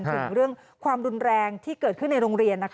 ถึงเรื่องความรุนแรงที่เกิดขึ้นในโรงเรียน